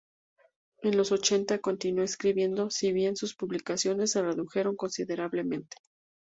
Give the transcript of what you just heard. En los ochenta, continuó escribiendo, si bien sus publicaciones se redujeron considerablemente.